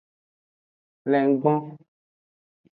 Lengbo.